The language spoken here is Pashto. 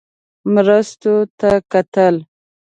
مرستو ته کتل.